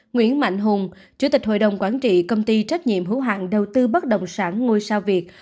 nguyễn mạnh hùng chủ tịch hội đồng quản trị công ty trách nhiệm hữu hạng đầu tư bất động sản ngôi sao việt